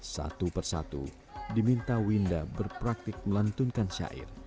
satu persatu diminta winda berpraktik melantunkan syair